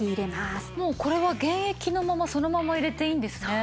もうこれは原液のままそのまま入れていいんですね。